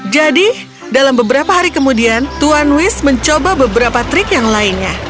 jadi dalam beberapa hari kemudian tuan wish mencoba beberapa trik yang lainnya